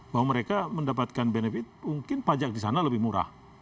bahwa mereka mendapatkan benefit mungkin pajak di sana lebih murah